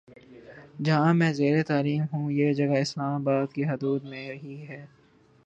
جہاں میں زیرتعلیم ہوں یہ جگہ اسلام آباد کی حدود میں ہی ہے